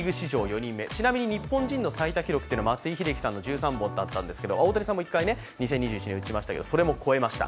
ちなみに日本人の最多記録は松井秀喜さんの１３本とあったんですが大谷さんも一回２０２１年に打ちましたけど、それも超えました。